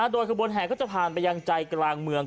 โดยขบวนแห่ก็จะผ่านไปยังใจกลางเมือง